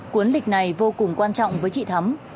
cuốn lịch này vô cùng quan trọng với chị thắm